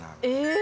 え！